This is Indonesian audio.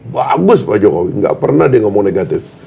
bagus pak jokowi nggak pernah dia ngomong negatif